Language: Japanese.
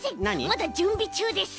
まだじゅんびちゅうです。